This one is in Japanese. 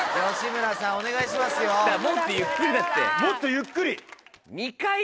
もっとゆっくりだって。